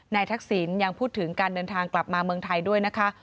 ทักษิณยังพูดถึงการเดินทางกลับมาเมืองไทยด้วยนะคะ